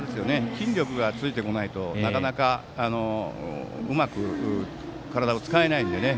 筋力がついてこないとうまく体を使えないのでね。